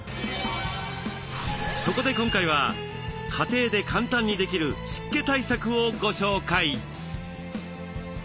そこで今回は家庭で簡単にできる湿気対策をご紹介。